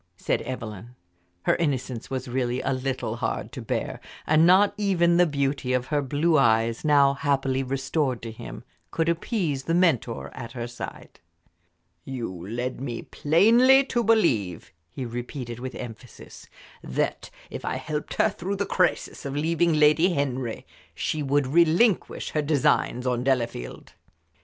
said Evelyn. Her innocence was really a little hard to bear, and not even the beauty of her blue eyes, now happily restored to him, could appease the mentor at her side. "You led me plainly to believe," he repeated, with emphasis, "that if I helped her through the crisis of leaving Lady Henry she would relinquish her designs on Delafield."